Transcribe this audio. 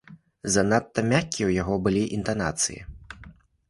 Занадта мяккія ў яго былі інтанацыі.